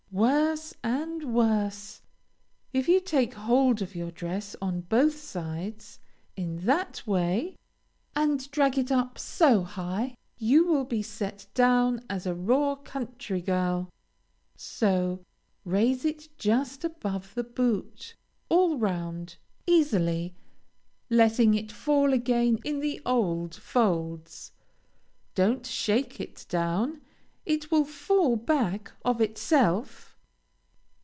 Worse and worse! If you take hold of your dress on both sides, in that way, and drag it up so high, you will be set down as a raw country girl. So. Raise it just above the boot, all round, easily, letting it fall again in the old folds. Don't shake it down; it will fall back of itself.